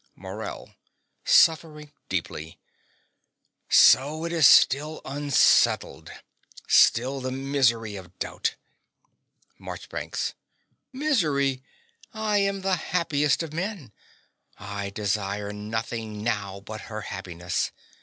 MORELL (suffering deeply). So it is still unsettled still the misery of doubt. MARCHBANKS. Misery! I am the happiest of men. I desire nothing now but her happiness.